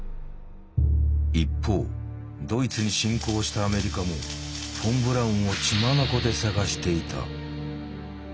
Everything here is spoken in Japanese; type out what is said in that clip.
一方ドイツに進攻したアメリカもフォン・ブラウンを血眼でさがしていた。